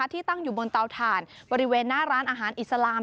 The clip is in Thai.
ที่ตั้งอยู่บนเตาถ่านบริเวณหน้าร้านอาหารอิสลาม